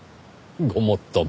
ごもっとも。